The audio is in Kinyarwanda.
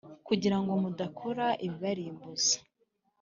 kugira ngo mudakora ibibarimbuza